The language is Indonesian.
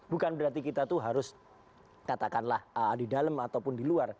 bukan berarti kita itu harus katakanlah di dalam ataupun di luar